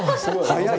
早い！